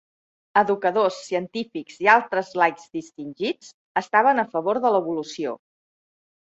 Educadors, científics i altres laics distingits estaven a favor de l'evolució.